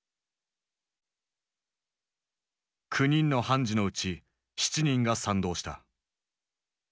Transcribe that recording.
９人の判事のうち７人が賛同した。